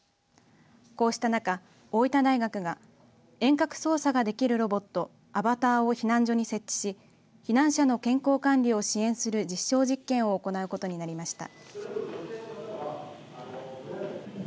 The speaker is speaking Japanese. こうした中、大分大学が遠隔操作ができるロボットアバターを避難所に設置し避難者の健康管理を支援する実証実験を行うことになりました。